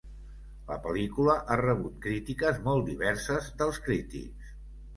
La pel·lícula ha rebut crítiques molt diverses dels crítics.